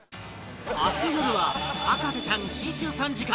明日よるは『博士ちゃん』新春３時間